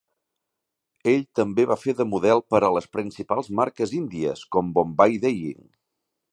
Ell també va fer de model per a les principals marques índies, com Bombay Dyeing.